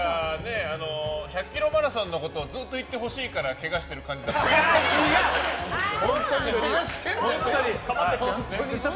１００ｋｍマラソンのことをずっと言ってほしいからけがしてる感じ出してるんでしょ。